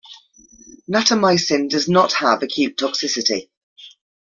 Natamycin does not have acute toxicity.